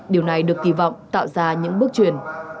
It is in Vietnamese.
điều này được kỳ vọng tạo ra những bước chuyển